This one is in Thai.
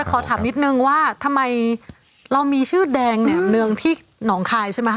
ขอถามนิดนึงว่าทำไมเรามีชื่อแดงแนบเนืองที่หนองคายใช่ไหมค